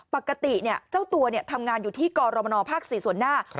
ปกติเนี่ยเจ้าตัวเนี่ยทำงานอยู่ที่กรรมนภาค๔ส่วนหน้า